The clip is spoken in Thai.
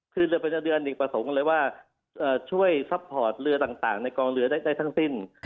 คือเรือเป็นเรือนอีกประสงค์เลยว่าช่วยซัพพอร์ตเรือต่างในกองเรือได้ทั้งสิ้น